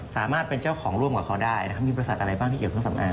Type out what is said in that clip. สามารถเป็นเจ้าของร่วมกับเขาได้นะครับมีบริษัทอะไรบ้างที่เกี่ยวเครื่องสำอาง